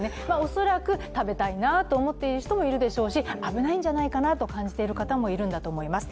恐らく食べたいなと思っている人もいるでしょうし、危ないんじゃないかなと感じている方もいるんじゃないかと思います。